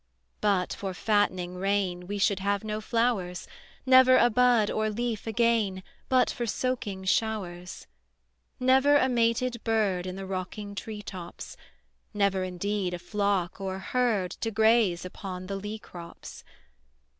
But for fattening rain We should have no flowers, Never a bud or leaf again But for soaking showers; Never a mated bird In the rocking tree tops, Never indeed a flock or herd To graze upon the lea crops.